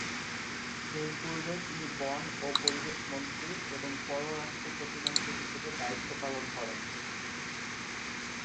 এরপূর্বে তিনি বন ও পরিবেশ মন্ত্রী এবং পররাষ্ট্র প্রতিমন্ত্রী হিসেবে দায়িত্ব পালন করেন।